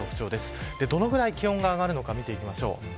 どのくらい気温が上がるのか見ていきましょう。